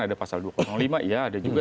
ada pasal dua ratus lima iya ada juga